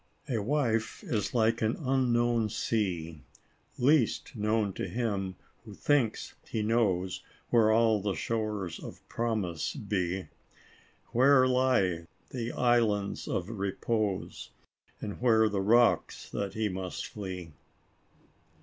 A wife is like an unknown sea; Least known to him who thinks he knows Where all the shores of promise he. Where lie the islands of repose, And where the rocks that he must flee."